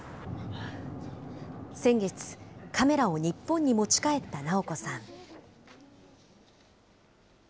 先月、カメラを日本に持ち帰った直子さん。